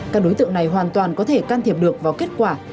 các đối tượng này hoàn toàn có thể can thiệp được vào kết quả